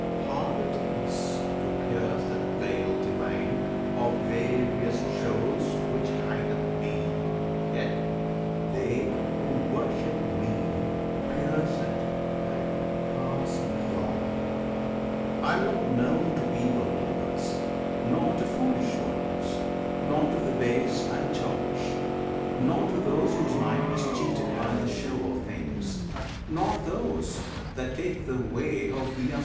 Hard it is To pierce that veil divine of various shows Which hideth Me; yet they who worship Me Pierce it and pass beyond. I am not known To evil doers, nor to foolish ones, Nor to the base and churlish; nor to those Whose mind is cheated by the show of things, Nor those that take the way of Asuras.